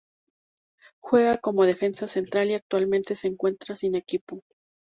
Juega como defensa central y actualmente se encuentra sin equipo.